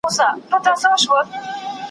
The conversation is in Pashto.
ټول بې واکه مسافر دي بې اختیاره یې سفر دی `